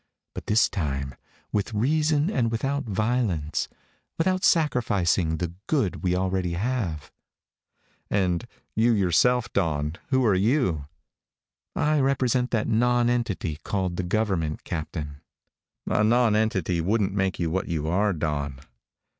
But this time with reason and without violence without sacrificing the good we already have." "And you yourself, Dawn. Who are you?" "I represent that nonentity called the government, Captain." "A nonentity wouldn't make you what you are, Dawn."